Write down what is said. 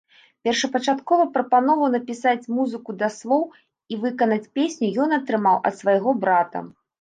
Першапачаткова прапанову напісаць музыку да слоў і выканаць песню ён атрымаў ад свайго брата.